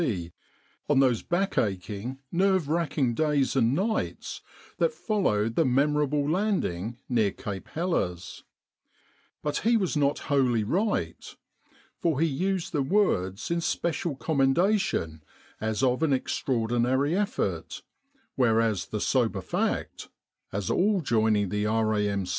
C. on those back aching, nerve racking days and nights that followed the memorable landing near Cape Helles. But he was not wholly right. For he used the words in special commendation as of an extraordinary effort, whereas the sober fact as all joining the R.A.M.